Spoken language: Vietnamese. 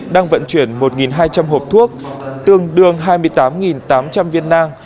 đang vận chuyển một hai trăm linh hộp thuốc tương đương hai mươi tám tám trăm linh viên nang